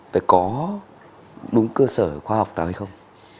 phải có đúng cơ sở khoa học nào hay không